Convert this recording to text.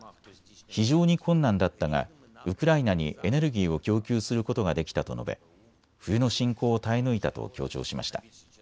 非常に困難だったがウクライナにエネルギーを供給することができたと述べ、冬の侵攻を耐え抜いたと強調しました。